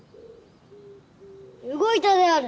動いたである。